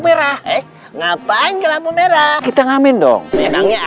merah eh ngapain kelampu merah kita ngamen dong